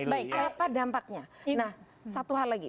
apa dampaknya nah satu hal lagi